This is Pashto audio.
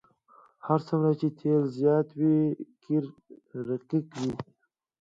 هر څومره چې تیل زیات وي قیر رقیق وي